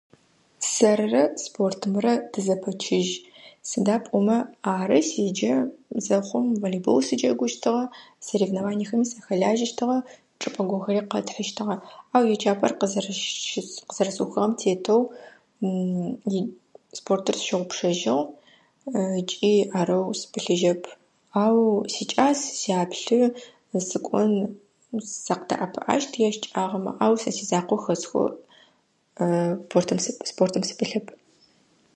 Сэрырэ спортымрэ тызэпэчыжь, сыда пӏомэ ары седжэ зэхъум волейбол сыджэгущтыгъэ, соревнованийэхэмэ сыхэлажьэщтыгъэ, чӏыпӏэгорэхэри къэтхыщтыгъэ. Ау еджапӏэр къызэрэщыс-къызэрэсыухыгъэм тетэу спортыр сыщыгъупщэжьыгъ ыкӏи арэу сыпылъыжьыгъэп, ау сикӏас, сяплъы, сыкӏон сакъыдэӏэпыӏэщт ищыкӏагъэмэ, ау сэ сизакъо хэсхэу спортым-спортым сыпылъэп.